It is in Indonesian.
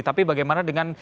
tapi bagaimana dengan